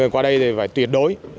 qua đây thì phải tuyệt đối